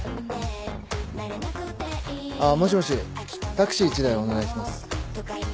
あっもしもしタクシー１台お願いします。